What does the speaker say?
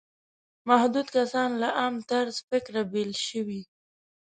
محدود کسان له عام طرز فکره بېل شوي.